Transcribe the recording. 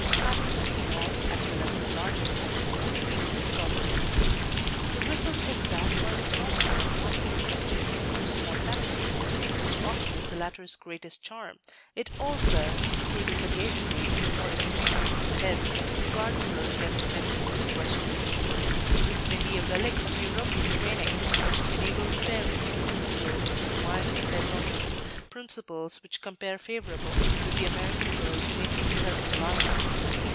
Matters of small as well as of larger moment are freely discussed. The result is that while it robs her of much of her Christian sister's spontaneity, which often is the latter's greatest charm, it also, through the sagacity of more experienced heads, guards her against many indiscretions. This may be a relic of European training, but it enables parents to instil into the minds of their daughters principles which compare favorable with the American girl's native self reliance.